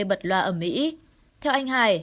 bật loa ở mỹ theo anh hải